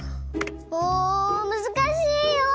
もうむずかしいよ！